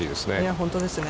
本当ですね。